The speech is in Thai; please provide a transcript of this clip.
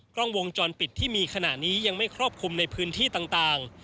กล้องวงจรปิดที่มีขณะนี้ยังไม่ครอบคลุมในพื้นที่ต่าง